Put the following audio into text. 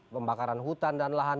pembakaran hutan dan lahan